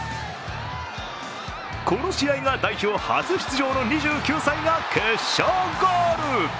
この試合が代表初出場の２９歳が決勝ゴール。